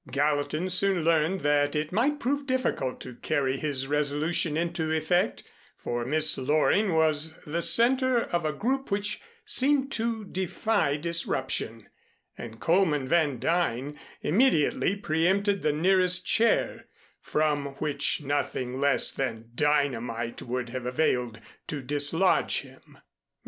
Gallatin soon learned that it might prove difficult to carry his resolution into effect, for Miss Loring was the center of a group which seemed to defy disruption, and Coleman Van Duyn immediately pre empted the nearest chair, from which nothing less than dynamite would have availed to dislodge him.